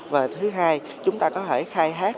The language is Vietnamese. và thứ hai chúng ta có thể khai thác